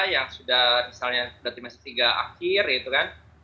yang sudah misalnya sudah tiga setiap akhir gitu kan